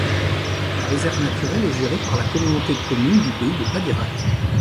La réserve naturelle est gérée par la Communauté de communes du Pays de Padirac.